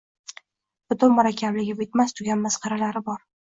Butun murakkabligi, bitmas-tuganmas qirralari bor.